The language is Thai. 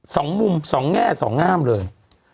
สองมุมสองแง่สองงามเลย